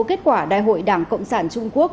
kết quả đại hội đảng cộng sản trung quốc